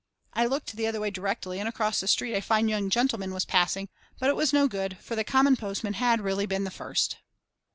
I looked the other way directly and across the street a fine young gentleman was passing, but it was no good for the common postman had really been the first.